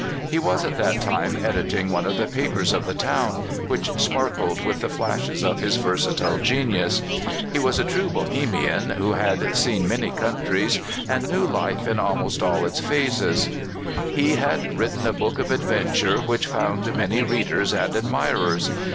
He was at that time editing one of the papers of the town, which sparkled with the flashes of his versatile genius. He was a true Bohemian, who had seen many countries, and knew life in almost all its phases. 21 322 CALIFORNIA SKETCHES. He had written a book of adventure which found many readers and admirers.